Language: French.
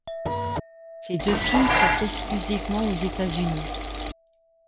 Ces deux films sortent exclusivement aux États-Unis.